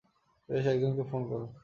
বেশ, একজনকে ফোন করো।